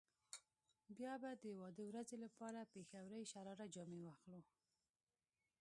بيا به د واده ورځې لپاره پيښورۍ شراره جامې واخلو.